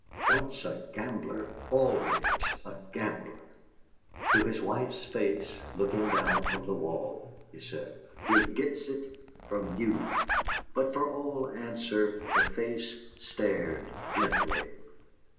Once a gambler always a gambler! To his wife's face, looking down from the wall, he said: "He gets it from you!" But for all answer the face stared gently.